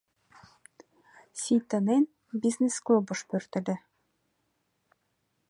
Сийтонен бизнес-клубыш пӧртыльӧ.